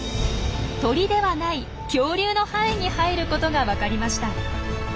鳥ではない恐竜の範囲に入ることが分かりました。